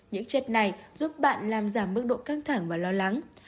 những chất này giúp bạn làm giảm mức độ căng thẳng và lo lắng